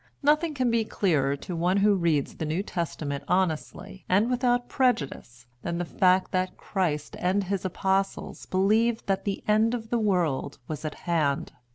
Nothing can be clearer to one who reads the New Testament honestly and without prejudice than the fact that Christ and his apostles believed that the end of the world was at hand.